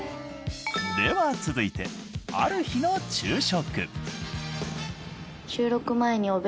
では続いてある日の昼食